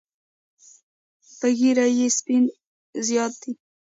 په ږیره کې یې سپین زیات دي.